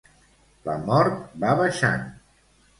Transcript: La mort va baixant.